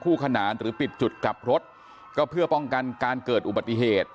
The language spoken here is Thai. ขนานหรือปิดจุดกลับรถก็เพื่อป้องกันการเกิดอุบัติเหตุ